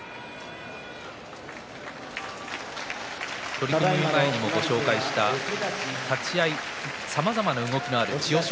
取組前にも紹介した立ち合いさまざまな動きのある千代翔